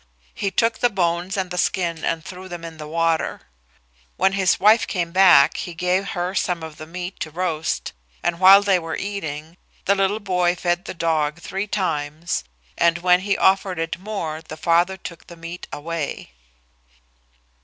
He took the bones and the skin and threw them in the water. When his wife came back he gave her some of the meat to roast, and while they were eating, the little boy fed the dog three times, and when he offered it more the father took the meat away.